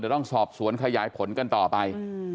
เดี๋ยวต้องสอบสวนขยายผลกันต่อไป